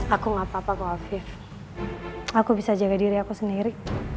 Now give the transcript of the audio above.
aku gak apa apa kok afif aku bisa jaga diri aku sendiri